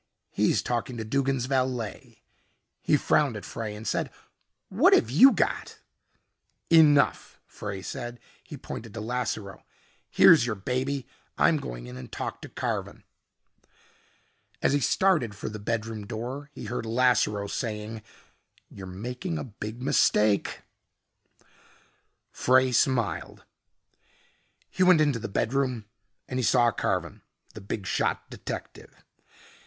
He's talking to Duggin's valet." He frowned at Frey and said, "What have you got?" "Enough," Frey said. He pointed to Lasseroe. "Here's your baby. I'm going in and talk to Carven." As he started for the bedroom door he heard Lasseroe saying, "You're making a big mistake " Frey smiled. He went into the bedroom and he saw Carven, the big shot detective.